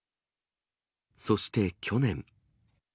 そして去年。